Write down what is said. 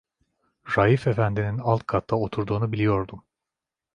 Raif efendinin alt katta oturduğunu biliyordum.